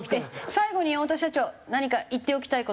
最後に太田社長何か言っておきたい事。